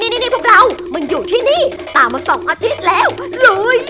นี่พวกเรามันอยู่ที่นี่ตามมา๒อาทิตย์แล้วลุย